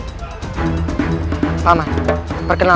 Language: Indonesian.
paman sudah memerhatikan rakyat kecil